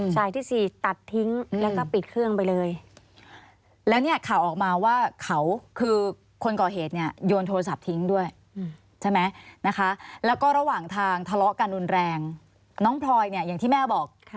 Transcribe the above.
แสดงว่าพลอยผิดเวลานิดเดียวแม่โทรแล้วแล้ว